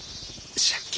借金